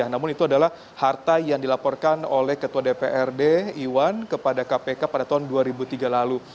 namun itu adalah harta yang dilaporkan oleh ketua dprd iwan kepada kpk pada tahun dua ribu tiga lalu